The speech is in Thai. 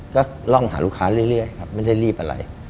ก็ล่องหาลูกค้าเรื่อยครับไม่ได้รีบอะไร